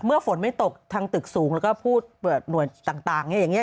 ฝนไม่ตกทางตึกสูงแล้วก็พูดเปิดหน่วยต่างอย่างนี้